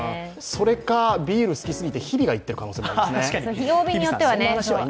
それか、ビール好きすぎて日比が行っている可能性もありますね。